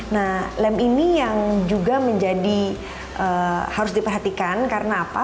nah lem ini yang juga menjadi harus diperhatikan karena apa